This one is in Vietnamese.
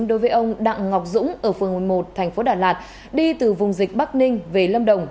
đối với ông đặng ngọc dũng ở phường một mươi một thành phố đà lạt đi từ vùng dịch bắc ninh về lâm đồng